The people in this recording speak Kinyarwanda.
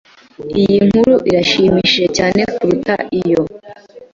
Iyi nkuru irashimishije cyane kuruta iyo.